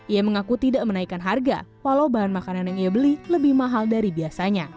ia mengaku tidak menaikkan harga walau bahan makanan yang ia beli lebih mahal dari biasanya